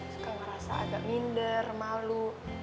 suka ngerasa agak minder malu